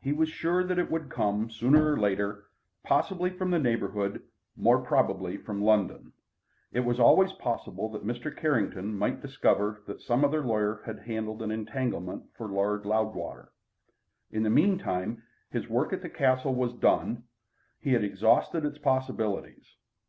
He was sure that it would come sooner or later, possibly from the neighbourhood, more probably from London. It was always possible that Mr. Carrington might discover that some other lawyer had handled an entanglement for Lord Loudwater. In the meantime, his work at the Castle was done. He had exhausted its possibilities.